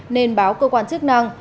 nên báo cơ quan chức năng